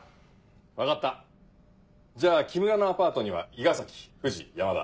分かったじゃあ木村のアパートには伊賀崎藤山田。